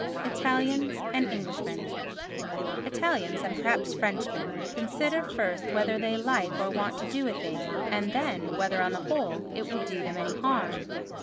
Italians and Englishmen Italians, and perhaps Frenchmen, consider first whether they like or want to do a thing and then whether, on the whole, it will do them any harm.